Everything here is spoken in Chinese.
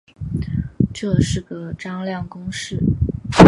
这是个张量公式。